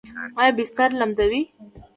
ایا بستر لمدوي؟